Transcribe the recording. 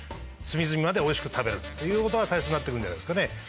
隅々までおいしく食べるということが大切になって来るんじゃないですかね。